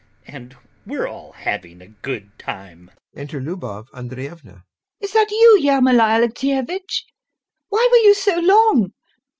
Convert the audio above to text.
And we're all having a good time. [Enter LUBOV ANDREYEVNA.] LUBOV. Is that you, Ermolai Alexeyevitch? Why were you so long?